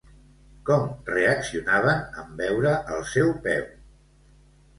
Com reaccionaven en veure el seu peu?